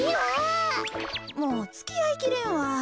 もうつきあいきれんわ。